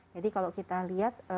jadi kalau kita lihat